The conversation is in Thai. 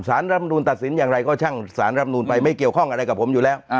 รำนูลตัดสินอย่างไรก็ช่างสารรับนูนไปไม่เกี่ยวข้องอะไรกับผมอยู่แล้ว